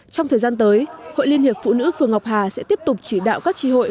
trong thời gian tới hội liên hiệp phụ nữ phường ngọc hà sẽ tiếp tục chỉ đạo các tri hội